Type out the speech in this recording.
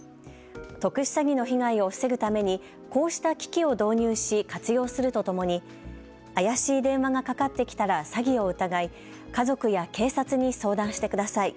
特殊詐欺の被害を防ぐためにこうした機器を導入し活用するとともに怪しい電話がかかってきたら詐欺を疑い、家族や警察に相談してください。